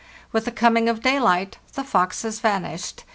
With the coming of daylight the foxes vanished.